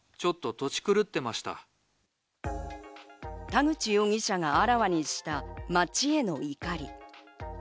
田口容疑者があらわにした町への怒り。